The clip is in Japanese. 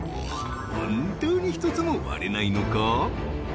本当に１つも割れないのか？